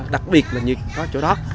đặc biệt là như có chỗ đó